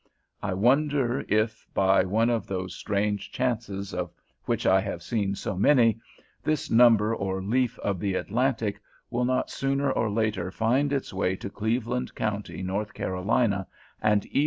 I wonder, if, by one of those strange chances of which I have seen so many, this number or leaf of the "Atlantic" will not sooner or later find its way to Cleveland County, North Carolina, and E.